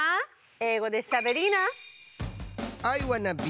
英語でしゃべりーな！